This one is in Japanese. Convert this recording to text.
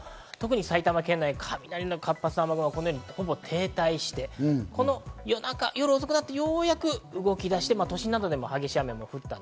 特に埼玉県、雷の活発な雨雲が停滞して夜遅くになってようやく動き出して、都心などでも激しい雨が降った。